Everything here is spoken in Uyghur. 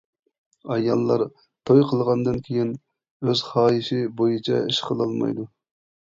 ئاياللار توي قىلغاندىن كېيىن، ئۆز خاھىشى بويىچە ئىش قىلالمايدۇ.